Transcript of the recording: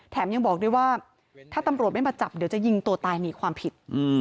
ยังบอกด้วยว่าถ้าตำรวจไม่มาจับเดี๋ยวจะยิงตัวตายหนีความผิด